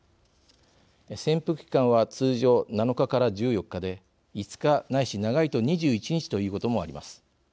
潜伏期間は通常７日から１４日で５日ないし長いと２１日ということもあります。